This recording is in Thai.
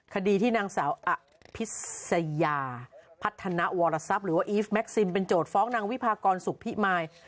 คดีที่นางสาวอภิษยาพัฒนาวรทรัพย์หรือว่าอีฟแม็กซิมเป็นโจทย์ฟ้องนางวิพากรสุขพิมาย